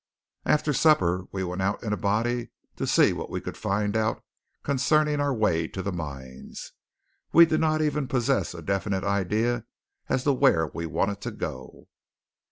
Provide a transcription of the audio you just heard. After supper we went out in a body to see what we could find out concerning our way to the mines. We did not even possess a definite idea as to where we wanted to go!